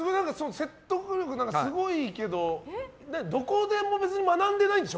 説得力はすごいけどどこでも別に学んでないんでしょ？